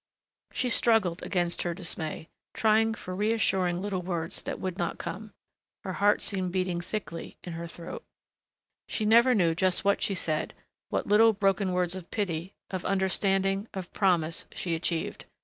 She struggled against her dismay, trying for reassuring little words that would not come. Her heart seemed beating thickly in her throat. She never knew just what she said, what little broken words of pity, of understanding, of promise, she achieved.